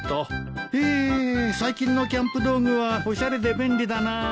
へえ最近のキャンプ道具はおしゃれで便利だな。